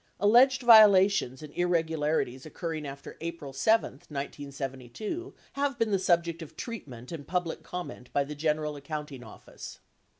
(Alleged vio lations and irregularities occurring after April 7, 1972 have been the subject of treatment and public comment by the General Accounting Office.)